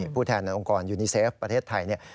ผู้แทนในองค์กรยูนิเซฟประเทศไทยเนี่ย